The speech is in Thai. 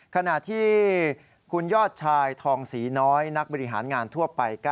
ขณะที่คุณยอดชายทองศรีน้อยนักบริหารงานทั่วไป